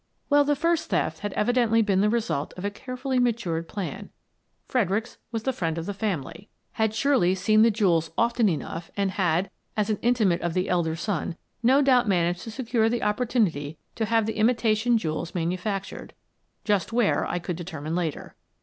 Well, the first theft had evi dently been the result of a carefully matured plan. Fredericks was the friend of the family; had surely Mr. Fredericks Returns 7i seen the jewels often enough and had, as an inti mate of the elder son, no doubt managed to secure the opportunity to have the imitation jewels manu factured — just where I could determine later.